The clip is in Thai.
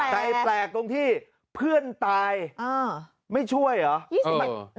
แต่แปลกตรงที่เพื่อนตายไม่ช่วยเหรอ